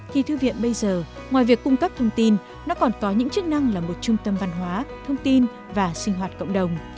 thì thư viện bây giờ ngoài việc cung cấp thông tin nó còn có những chức năng là một trung tâm văn hóa thông tin và sinh hoạt cộng đồng